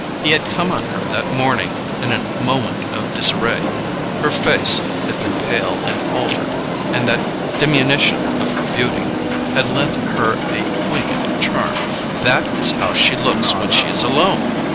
He had come on her that morning in a moment of disarray; her face had been pale and altered, and the diminution of her beauty had lent her a poignant charm. THAT IS HOW SHE LOOKS WHEN SHE IS ALONE!